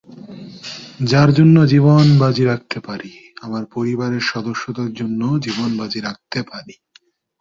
যার জন্য জীবন বাজি রাখতে পারিআমার পরিবারের সদস্যদের জন্য জীবন বাজি রাখতে পারি।